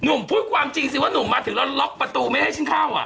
พูดความจริงสิว่าหนุ่มมาถึงแล้วล็อกประตูไม่ให้ฉันเข้าอ่ะ